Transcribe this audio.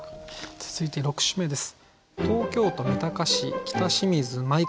続いて６首目です。